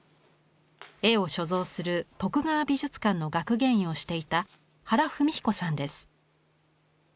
絵を所蔵する徳川美術館の学芸員をしていた原史彦さんです。